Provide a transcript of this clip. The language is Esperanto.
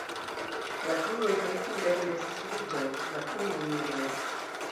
La kruroj kaj piedoj estas ruĝaj, la ungoj nigraj.